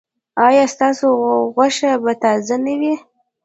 ایا ستاسو غوښه به تازه نه وي؟